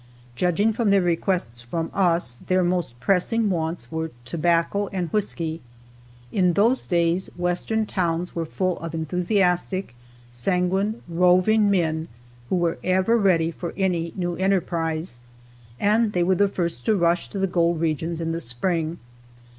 Judging from their requests from us, their most pressing wants were tobacco and whisky. In those days Western towns were full of enthusiastic, sanguine, roving men who were ever ready for any new enterprise, and they were the first to rush to the gold regions in the spring.